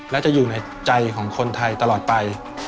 และจะอยู่ในใจของคนไทยตลอดไป